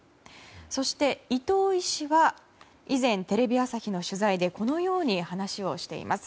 そして、伊藤医師は以前テレビ朝日の取材でこのように話をしています。